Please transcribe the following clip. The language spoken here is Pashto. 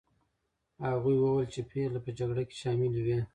هغوی وویل چې پېغلې په جګړه کې شاملي وې.